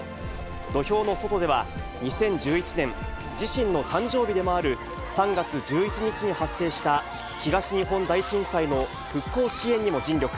土俵の外では、２０１１年、自身の誕生日でもある３月１１日に発生した東日本大震災の復興支援にも尽力。